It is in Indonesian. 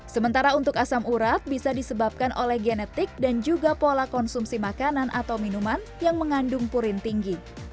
sementara untuk asam urat bisa disebabkan oleh genetik dan juga pola konsumsi makanan atau minuman yang mengandung purin tinggi